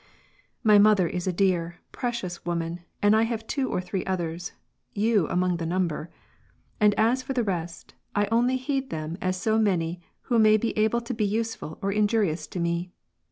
My mother is a dear, precious woman, and I have two or three others, — you among the number — and as for the rest, I only heed them as so many who may be able to be useful or injurious to me.